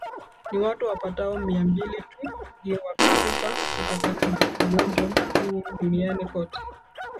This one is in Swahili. Ni watu wapatao Mia mbili tu ndio wamekufa kutokana na ugonjwa huu duniani kote